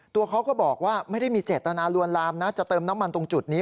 ตัวเขาก็บอกว่าไม่ได้มีเจตนาลวนลามนะจะเติมน้ำมันตรงจุดนี้